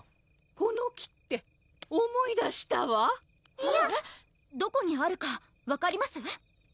この木って思い出したわどこにあるか分かります？